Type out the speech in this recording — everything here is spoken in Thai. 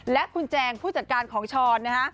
และคุณแจงผู้จัดการของช้อนนะฮะ